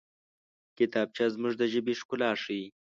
کتابچه زموږ د ژبې ښکلا ښيي